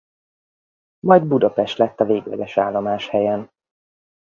Majd Budapest lett a végleges állomáshelyem.